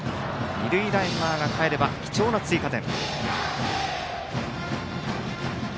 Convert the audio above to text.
二塁ランナーがかえれば貴重な追加点。